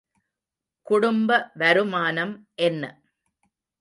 குடும்ப வருமானம் என்ன?